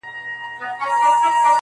گوره په ما باندي ده څومره خپه.